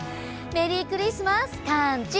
メリークリスマスカンチ！